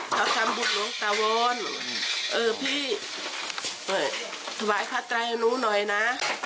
เขาทำบุตรหลวงตะวนเออพี่สวายพระตรายอนุหน่อยนะ